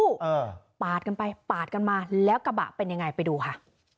อ่าปาดกันไปปาดกันมาแล้วกระบะเป็นยังไงไปดูค่ะ